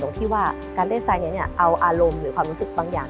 ตรงที่ว่าการเล่นสไตล์นี้เอาอารมณ์หรือความรู้สึกบางอย่าง